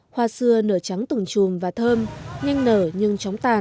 hoa xưa nở trắng tủng trùm và thơm nhanh nở nhưng chóng tàn